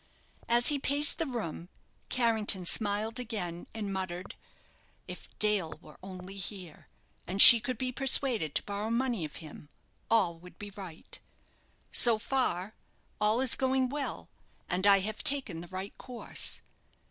As he paced the room, Carrington smiled again, and muttered, "If Dale were only here, and she could be persuaded to borrow money of him, all would be right. So far, all is going well, and I have taken the right course.